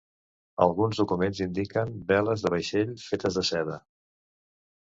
Alguns documents indiquen veles de vaixell fetes de seda.